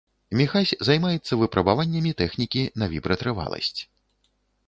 Міхась займаецца выпрабаваннямі тэхнікі на вібратрываласць.